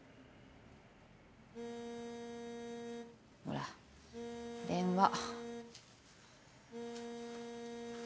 ほら電話。